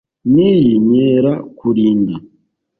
n’iyi nkerakurinda